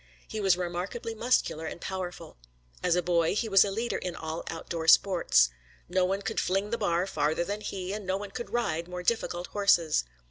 He was remarkably muscular and powerful. As a boy he was a leader in all outdoor sports. No one could fling the bar further than he, and no one could ride more difficult horses.